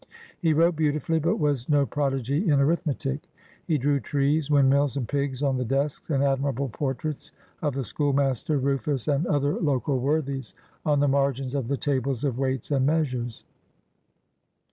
He wrote beautifully, but was no prodigy in arithmetic. He drew trees, windmills, and pigs on the desks, and admirable portraits of the schoolmaster, Rufus, and other local worthies, on the margins of the tables of weights and measures.